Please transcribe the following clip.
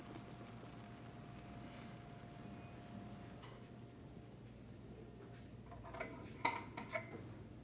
bunda ibu kamu juga